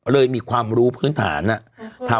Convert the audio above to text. เลยมีความรู้พื้นฐานอะ